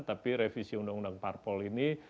tapi revisi undang undang parpol ini